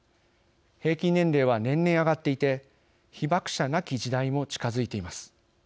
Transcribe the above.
平均年齢は年々上がっていて被爆者なき時代も近づいています。